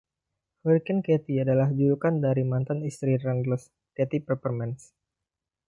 Hurricane Katty adalah julukan dari mantan istri Randles, Katty Pepermans.